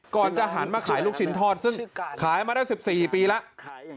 ก่อนจะหันมาขายลูกชิ้นทอดซึ่งขายมาได้๑๔ปีแล้ว